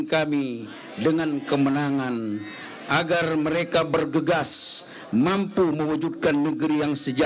silakan pak kiai